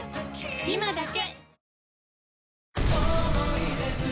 今だけ！